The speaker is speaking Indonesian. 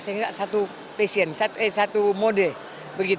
sehingga satu mode